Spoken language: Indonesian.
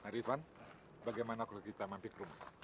ridwan bagaimana kalau kita mampik rumah